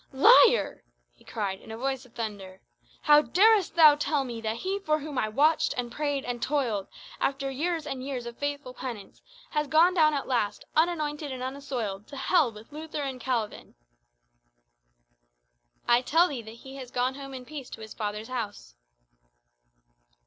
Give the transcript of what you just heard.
"Liar!" he cried, in a voice of thunder. "How darest thou tell me that he for whom I watched, and prayed, and toiled, after years and years of faithful penance, has gone down at last, unanointed and unassoiled, to hell with Luther and Calvin?" "I tell thee that he has gone home in peace to his Father's house."